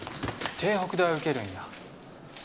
帝北大受けるんや？